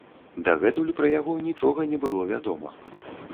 Дагэтуль пра яго нічога не было вядома.